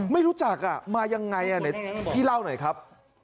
ไม่รู้จักมายังไงไหนพี่เล่าหน่อยครับ